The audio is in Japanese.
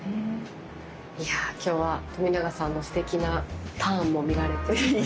今日は冨永さんのすてきなターンも見られて。